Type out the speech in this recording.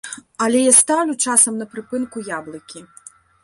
Але я стаўлю часам на прыпынку яблыкі.